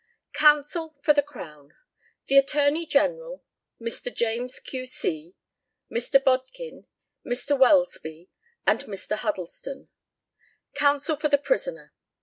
COUNSEL FOR THE CROWN. The ATTORNEY GENERAL, Mr. JAMES, Q.C., Mr. BODKIN, Mr. WELSBY, and Mr. HUDDLESTON. COUNSEL FOR THE PRISONER.